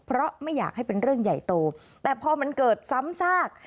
เพราะไม่อยากให้เป็นเรื่องใหญ่โตแต่พอมันเกิดซ้ำซาก